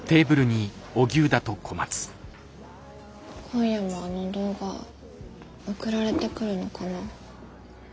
今夜もあの動画送られてくるのかな。